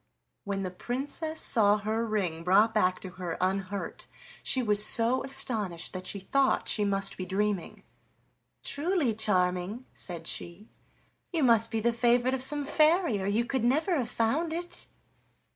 When the Princess saw her ring brought back to her unhurt she was so astonished that she thought she must be dreaming. "Truly, Charming," said she, "you must be the favorite of some fairy, or you could never have found it."